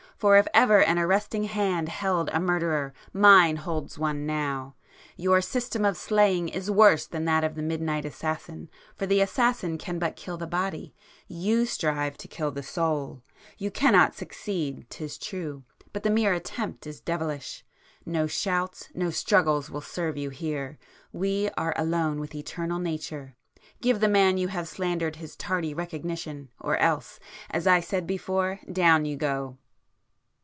—for if ever an arresting hand held a murderer, mine holds one now! Your system of slaying is worse than that of the midnight [p 104] assassin, for the assassin can but kill the body,—you strive to kill the soul. You cannot succeed, 'tis true, but the mere attempt is devilish. No shouts, no struggles will serve you here,—we are alone with Eternal Nature,—give the man you have slandered his tardy recognition, or else, as I said before—down you go!